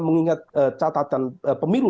mengingat catatan pemilu